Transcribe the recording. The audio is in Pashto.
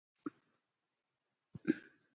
افغانستان د دځنګل حاصلات کوربه دی.